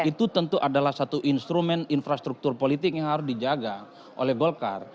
itu tentu adalah satu instrumen infrastruktur politik yang harus dijaga oleh golkar